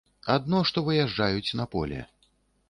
Адно, што выязджаюць на поле.